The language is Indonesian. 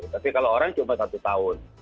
tapi kalau orang cuma satu tahun